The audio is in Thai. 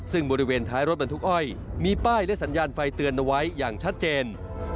ซึ่งบริเวณท้ายรถบรรทุกอ้อยมีป้ายและสัญญาณไฟเตือนเอาไว้อย่างชัดเจน